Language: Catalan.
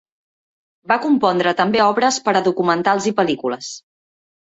Va compondre també obres per a documentals i pel·lícules.